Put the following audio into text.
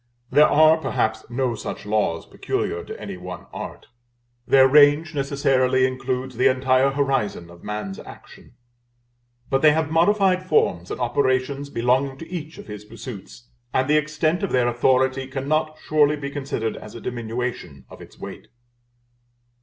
There are, perhaps, no such laws peculiar to any one art. Their range necessarily includes the entire horizon of man's action. But they have modified forms and operations belonging to each of his pursuits, and the extent of their authority cannot surely be considered as a diminution of its weight.